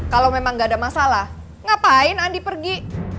kalau memang gak ada masalah ngapain andi pergi